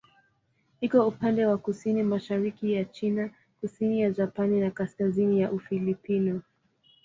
Iko upande wa kusini-mashariki ya China, kusini ya Japani na kaskazini ya Ufilipino.